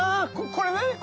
これね。